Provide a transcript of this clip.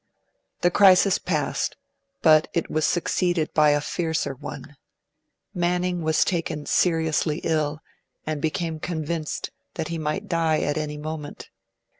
The crisis passed, but it was succeeded by a fiercer one. Manning was taken seriously ill, and became convinced that he might die at any moment.